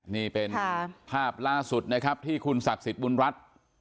นี่เป็นภาพล่าสุดนะครับที่คุณศักดิ์สิทธิ์บุญรัฐ